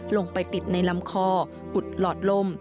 ลงไปติดในลำคออุดหลอดลม